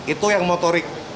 itu yang motorik